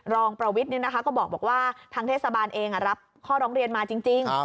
รองประวิทย์ก็บอกว่าทางเทศบาลเองรับข้อร้องเรียนมาจริง